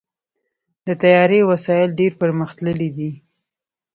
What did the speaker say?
د طیارې وسایل ډېر پرمختللي دي.